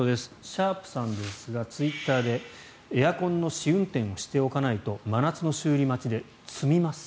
シャープさんですがツイッターでエアコンの試運転をしておかないと真夏の修理待ちで詰みます。